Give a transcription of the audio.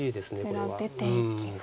こちら出ていきました。